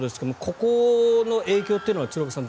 ここの影響というのは鶴岡さん